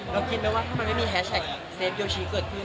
คิดไหมว่าถ้ามันไม่มีแฮชแท็กเซฟโยชีเกิดขึ้น